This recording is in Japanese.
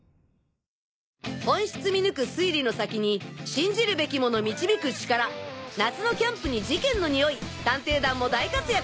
本質見抜く推理の先に信じるべきもの導く力夏のキャンプに事件のニオイ探偵団も大活躍